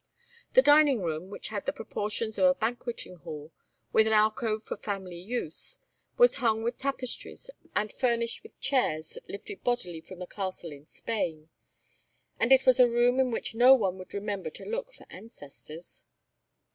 The dining room which had the proportions of a banqueting hall, with an alcove for family use was hung with tapestries and furnished with chairs lifted bodily from a castle in Spain; and it was a room in which no one would remember to look for ancestors.